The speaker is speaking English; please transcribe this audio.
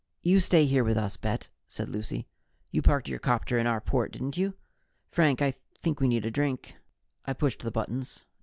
"You stay here with us, Bet," said Lucy. "You parked your copter in our port, didn't you? Frank, I think we need a drink." I pushed the buttons.